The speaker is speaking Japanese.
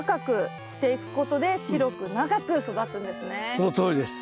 そのとおりです。